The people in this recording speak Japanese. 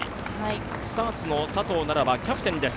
スターツの佐藤奈々はキャプテンです。